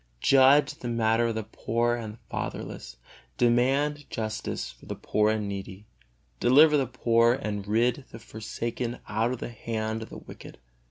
Judge the matter of the poor and fatherless, demand justice for the poor and needy; deliver the poor and rid the forsaken out of the hand of the wicked."